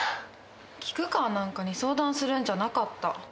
菊川なんかに相談するんじゃなかった。